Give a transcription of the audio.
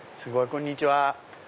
こんにちは。